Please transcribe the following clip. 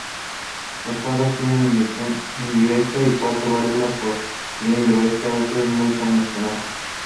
Los cuatro tienen inyección indirecta y cuatro válvulas por cilindro. Este auto es muy convencional.